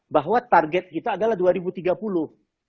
bahwa target kita adalah dua ribu tiga puluh